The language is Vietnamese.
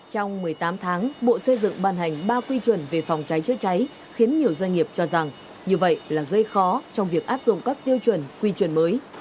trong một mươi tám tháng bộ xây dựng ban hành ba quy chuẩn về phòng cháy chữa cháy khiến nhiều doanh nghiệp cho rằng như vậy là gây khó trong việc áp dụng các tiêu chuẩn quy chuẩn mới